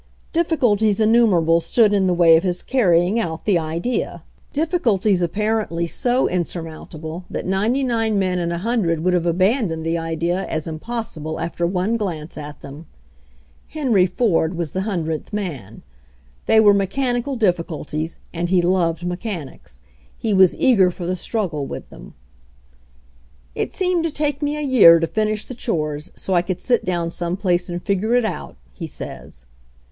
Difficulties innumerable stood in the way of his carrying out the idea— difficulties apparently 60 HENRY FORD'S OWN STORY so insurmountable that ninety nine men in a hun dred would have abandoned the idea as impossi ble after one glance at them. Henry Ford was the hundredth man. They were, mechanical dif ficulties, and he loved mechanics. He was eager for the struggle with them. "It seemed to take me a year to finish the chores, so I could sit down someplace and figure it out," he says.